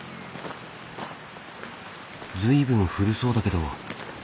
随分古そうだけど。